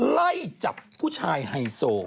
ไล่จับผู้ชายไฮโซ